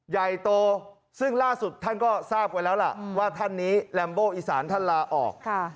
ใหญ่โตซึ่งล่าสุดท่านก็ทราบไว้แล้วล่ะว่าท่านนี้แรมโบอีสานท่านลาออก